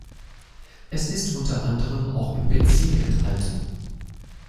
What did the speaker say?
Es ist unter anderem auch im Benzin enthalten.